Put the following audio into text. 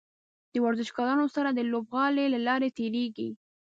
د ورزشکارانو سره د لوبغالي له لارې تیریږي.